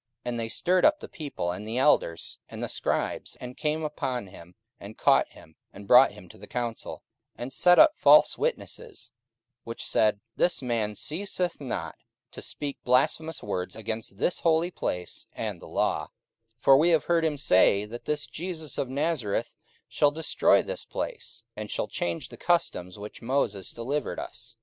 44:006:012 And they stirred up the people, and the elders, and the scribes, and came upon him, and caught him, and brought him to the council, 44:006:013 And set up false witnesses, which said, This man ceaseth not to speak blasphemous words against this holy place, and the law: 44:006:014 For we have heard him say, that this Jesus of Nazareth shall destroy this place, and shall change the customs which Moses delivered us.